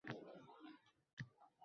Yo’lda keta turib onamdan uni so’radim.